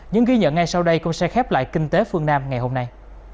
những ghi nhận ngay sau đây cũng sẽ khép lại kinh tế phương nam ngày hôm nay